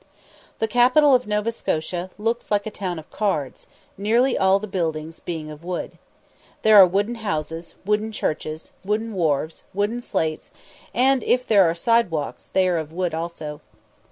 The capital of Nova Scotia looks like a town of cards, nearly all the buildings being of wood. There are wooden houses, wooden churches, wooden wharfs, wooden slates, and, if there are side walks, they are of wood also.